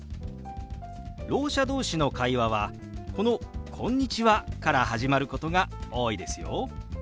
ろう者同士の会話はこの「こんにちは」から始まることが多いですよ。